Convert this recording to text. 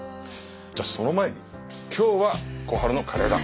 じゃあその前に今日は小春のカレーだ。